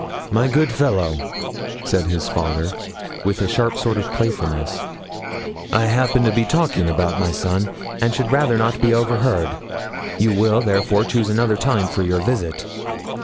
'My good fellow,' said his father, with a sharp sort of playfulness, 'I happen to be talking about my son, and should rather not be overheard; you will, therefore, choose another time for your visit.'